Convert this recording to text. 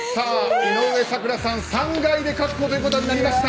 井上咲楽さん３階で確保となりました。